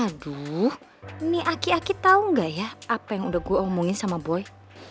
aduh ini aki aki tahu nggak ya apa yang udah gue omongin sama boy